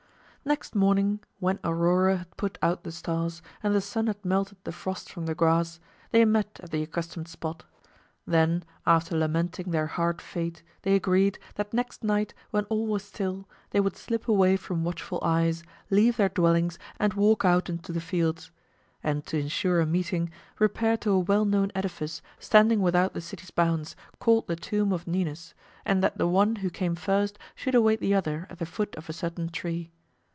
Next morning, when Aurora had put out the stars, and the sun had melted the frost from the grass, they met at the accustomed spot. Then, after lamenting their hard fate, they agreed, that next night, when all was still, they would slip away from watchful eyes, leave their dwellings and walk out into the fields; and to insure a meeting, repair to a well known edifice standing without the city's bounds, called the Tomb of Ninus, and that the one who came first should await the other at the foot of a certain tree.